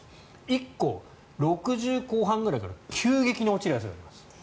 １個、６０後半ぐらいから急激に落ちるやつがあります。